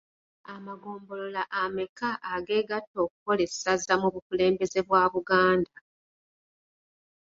Amagombolola ameka ageegatta okukola essaza mu bukulembeze bwa Buganda?